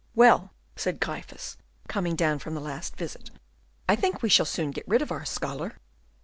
"Well," said Gryphus, coming down from the last visit, "I think we shall soon get rid of our scholar."